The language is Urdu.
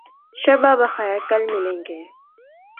شب بخیر. کل ملیں گے